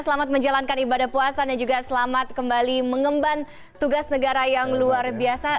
selamat menjalankan ibadah puasa dan juga selamat kembali mengemban tugas negara yang luar biasa